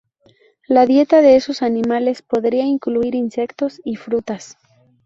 La dieta de estos animales podría incluir insectos y frutas.